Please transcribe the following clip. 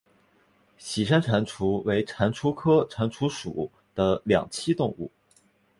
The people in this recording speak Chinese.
喜山蟾蜍为蟾蜍科蟾蜍属的两栖动物。